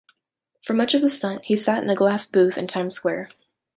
For much of the stunt, he sat in a glass booth in Times Square.